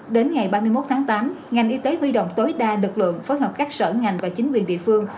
đến ngày ba mươi một tháng tám ngành y tế huy động tối đa lực lượng phối hợp các sở ngành và chính quyền địa phương